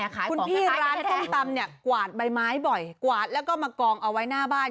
ของที่ร้านส้มตำกวาดใบไม้บ่อยกวาดแล้วก็มากองเอาไว้หน้าบ้าน